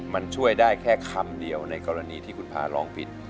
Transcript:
มันช่วยได้แค่คำเดียวในกรณีที่คุณพาร้องผิด